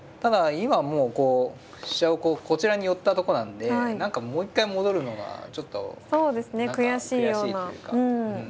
今もうこう飛車をこうこちらに寄ったとこなんで何かもう一回戻るのはちょっと何か悔しいっていうか。